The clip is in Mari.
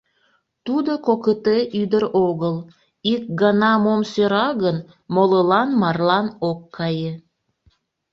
Тудо кокыте ӱдыр огыл, ик гана мом сӧра гын, молылан марлан ок кае...